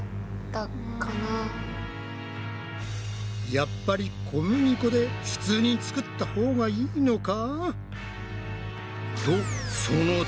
やっぱり小麦粉で普通に作ったほうがいいのか？